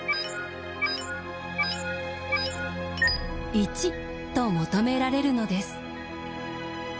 １と求められるのです。